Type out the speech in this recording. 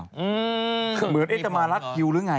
เหมือนเอ๊ะจะมารัดคิวหรือไง